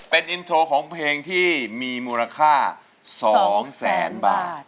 เป็นอินโทรของเพลงที่มีมูลค่า๒แสนบาท